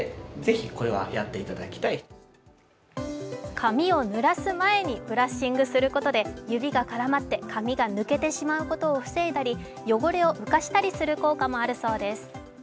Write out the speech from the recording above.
髪をぬらす前にブラッシングすることで指が絡まって髪が抜けてしまうことを防いだり汚れを浮かしたりする効果もあるそうです。